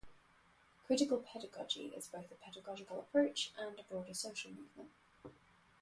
Critical pedagogy is both a pedagogical approach and a broader social movement.